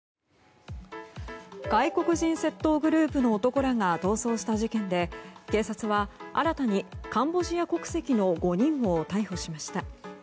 外国人窃盗グループの男らが逃走した事件で警察は新たにカンボジア国籍の５人を逮捕しました。